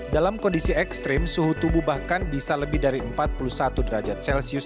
dalam kondisi ekstrim suhu tubuh bahkan bisa lebih dari empat puluh satu derajat celcius